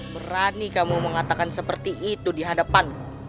berani kamu mengatakan seperti itu di hadapan